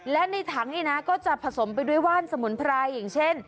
และในถังนี่นะก็จะผสมไปด้วยว่านสมุนไพรอย่างเช่น